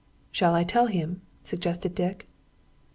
"Shall I tell him?" suggested Dick.